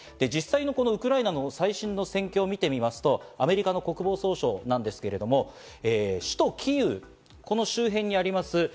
実際のウクライナの最新の戦況を見てみますと、アメリカの国防総省なんですけど、首都キーウ、この周辺にあります